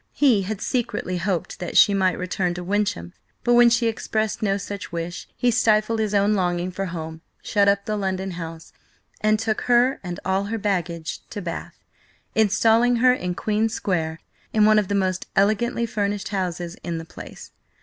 He had secretly hoped that she might return to Wyncham, but when she expressed no such wish, he stifled his own longing for home, shut up the London house, and took her and all her baggage to Bath, installing her in Queen Square in one of the most elegantly furnished houses in the place.